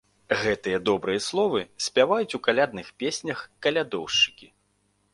Гэтыя добрыя словы спяваюць у калядных песнях калядоўшчыкі.